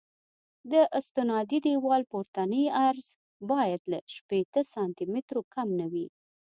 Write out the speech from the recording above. د استنادي دیوال پورتنی عرض باید له شپېته سانتي مترو کم نه وي